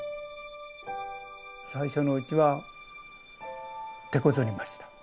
最初のうちはてこずりました。